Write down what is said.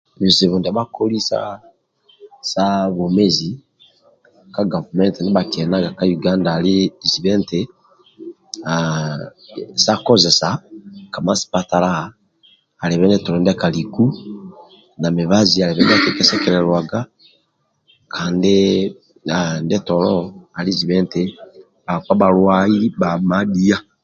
Bizibu ndia sa bhakoli sa sa bwomezi ka gavumenti ndia bhakienaga ka uganda ali zibe eti haa sa kozesa ka masipatala alibe ndetolo ndia kaliku ndietolo kaliku na mibazi alibe ndia akikesekelelwaga kandi ndietolo ali zibe eti bhakpa bhalwali bhamadhia